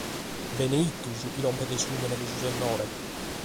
Beneitu su chi lompet in su nùmene de su Sennore!